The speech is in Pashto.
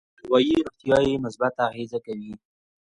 په اروایي روغتيا يې مثبت اغېز کوي.